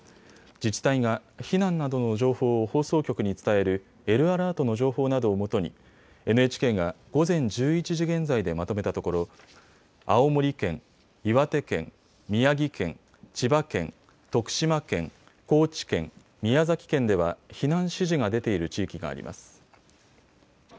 自治体が避難などの情報を放送局に伝えるＬアラートの情報などをもとにＮＨＫが午前１１時現在でまとめたところ青森県、岩手県、宮城県、千葉県、徳島県、高知県、宮崎県では避難指示が出ている地域があります。